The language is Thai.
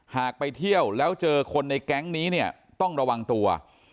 ไปเที่ยวแล้วเจอคนในแก๊งนี้เนี่ยต้องระวังตัว